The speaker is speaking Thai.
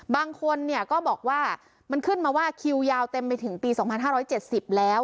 บางคนเนี่ยก็บอกว่ามันขึ้นมาว่าคิวยาวเต็มไปถึงปี๒๕๗๐แล้ว